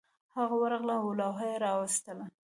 هغه ورغله او لوحه یې راویستله